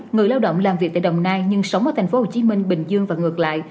người lao động làm việc tại đồng nai nhưng sống ở thành phố hồ chí minh bình dương và ngược lại